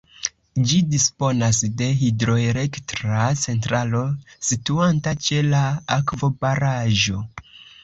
Ĝi disponas de hidroelektra centralo situanta ĉe la akvobaraĵo.